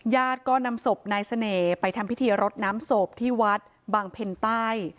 ญาติก็นำศพนายเสน่ห์ไปทำพิธีรดน้ำศพที่วัดบางเพ็ญใต้